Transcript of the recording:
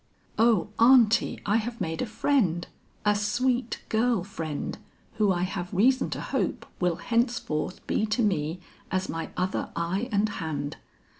"O aunty, I have made a friend, a sweet girl friend who I have reason to hope will henceforth be to me as my other eye and hand.